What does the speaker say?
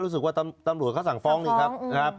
รู้สึกว่าตำรวจเขาสั่งฟ้องนี่ครับ